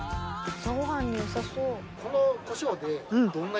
朝ごはんによさそう。